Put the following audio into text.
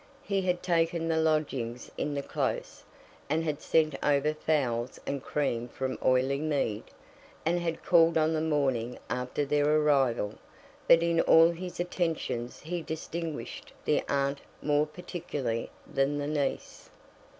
He had taken the lodgings in the Close, and had sent over fowls and cream from Oileymead, and had called on the morning after their arrival; but in all his attentions he distinguished the aunt more particularly than the niece.